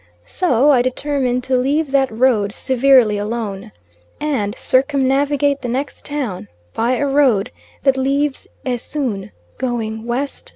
So I determined to leave that road severely alone, and circumnavigate the next town by a road that leaves Esoon going W.N.